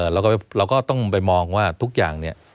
เราก็ต้องไปมองว่าทุกอย่างเนี่ย